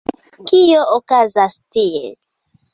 Kio okazas tie?